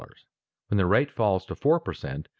When the rate falls to four per cent.